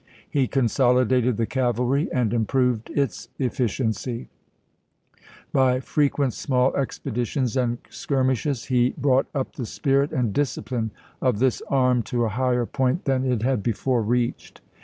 He con solidated the cavalry and improved its efficiency ; by frequent small expeditions and skirmishes he brought up the spirit and discipline of this arm to a higher point than it had before reached.